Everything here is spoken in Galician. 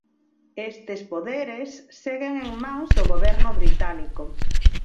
Estes poderes seguen en mans do Goberno británico.